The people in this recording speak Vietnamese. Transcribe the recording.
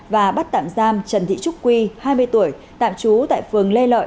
và bắt tạm giam trần thị trúc quy hai mươi tuổi tạm trú tại phường lê lợi